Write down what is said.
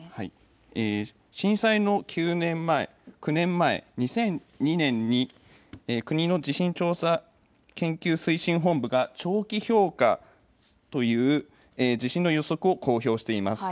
震災の９年前、２００２年に国の地震調査研究推進本部が長期評価という地震の予測を公表しています。